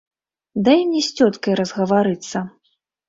Дай мне з цёткай разгаварыцца.